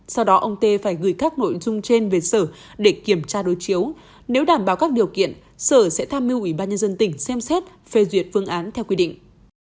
sau đó ông tê phải gửi các nội dung trên về sở để kiểm tra đối chiếu nếu đảm bảo các điều kiện sở sẽ tham mưu ủy ban nhân dân tỉnh xem xét phê duyệt phương án theo quy định